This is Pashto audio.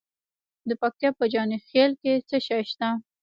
د پکتیا په جاني خیل کې څه شی شته؟